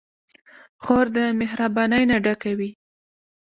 خور د مهربانۍ نه ډکه وي.